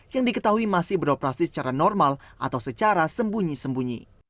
yang diketahui masih beroperasi secara normal atau secara sembunyi sembunyi